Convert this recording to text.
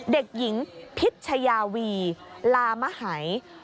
เด็กหญิงพิชยาวีลามหัย